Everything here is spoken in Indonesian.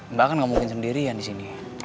mbak kan gak mungkin sendirian disini